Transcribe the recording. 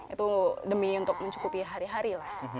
itu demi untuk mencukupi hari hari lah